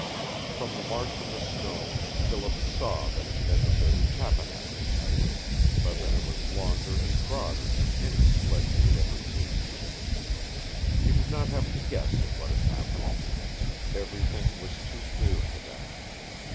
From the marks in the snow Philip saw that it had been of the low ootapanask type, but that it was longer and broader than any sledge he had ever seen. He did not have to guess at what had happened. Everything was too clear for that.